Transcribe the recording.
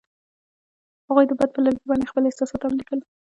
هغوی د باد پر لرګي باندې خپل احساسات هم لیکل.